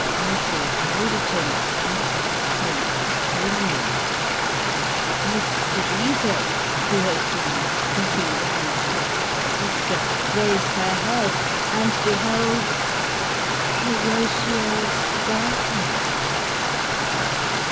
Mrs. Malderton uttered a faint scream ; Miss Teresa, who had been stooping down to talk to her sister, raised her head, and beheld Horatio Sparkins